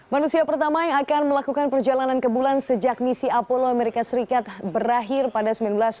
manusia pertama yang akan melakukan perjalanan ke bulan sejak misi apollo amerika serikat berakhir pada seribu sembilan ratus sembilan puluh